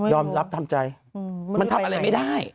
รับทำใจมันทำอะไรไม่ได้